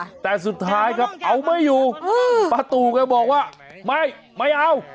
แต่สุดท้ายครับเอาไม่อยู่อืมป้าตู่แกบอกว่าไม่ไม่เอา